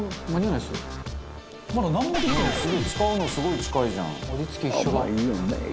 「まだなんもできてない」「使うのすごい近いじゃん」